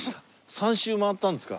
３周回ったんですか？